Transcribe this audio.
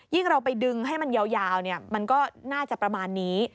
เราไปดึงให้มันยาวมันก็น่าจะประมาณนี้